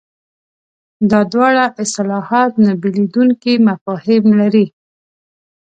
دا دواړه اصطلاحات نه بېلېدونکي مفاهیم لري.